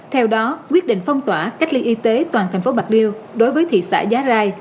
theo đó quyết định phong tỏa cách ly y tế toàn thành phố bạc liêu đối với thị xã giá rai